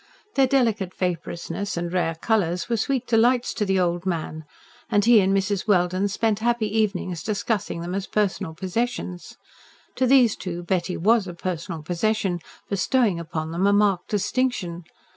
Their delicate vaporousness, and rare colours, were sweet delights to the old man, and he and Mrs. Welden spent happy evenings discussing them as personal possessions. To these two Betty WAS a personal possession, bestowing upon them a marked distinction.